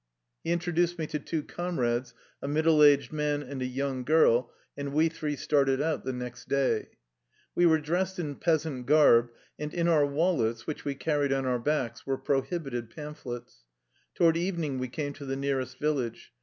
He introduced me to two comrades, a middle aged man and a young girl, and we three started out the next day. We were dressed in peasant garb, and in our wallets, which we carried on our backs, were prohibited pamphlets. Toward evening we came to the nearest village.